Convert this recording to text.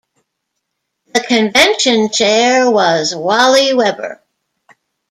The convention chair was Wally Weber.